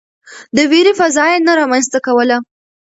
د وېرې فضا يې نه رامنځته کوله.